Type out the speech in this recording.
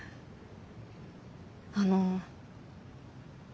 あの。